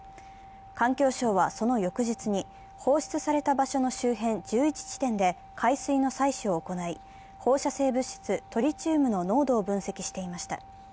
環境省はその翌日に、放出された場所の周辺１１地点で海水の採取を行い、放射性物質トリチウムの濃度を分析していました。